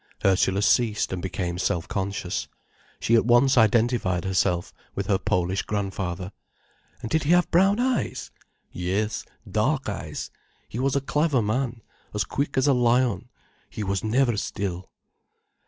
Ursula ceased and became self conscious. She at once identified herself with her Polish grandfather. "And did he have brown eyes?" "Yes, dark eyes. He was a clever man, as quick as a lion. He was never still."